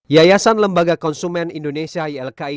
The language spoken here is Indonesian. yayasan lembaga konsumen indonesia ylki